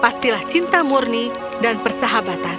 pastilah cinta murni dan persahabatan